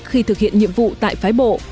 khi thực hiện nhiệm vụ tại phái bộ